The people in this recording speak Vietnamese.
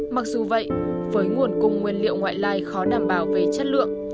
mặc dù vậy với nguồn cung nguyên liệu ngoại lai khó đảm bảo về chất lượng